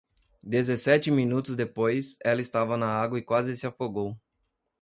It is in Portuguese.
Dezessete minutos depois, ela estava na água e quase se afogou.